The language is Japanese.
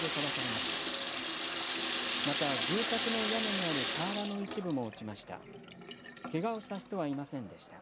また住宅の屋根にある瓦の一部も落ちました。